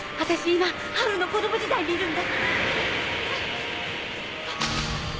今ハウルの子供時代にいるんだ。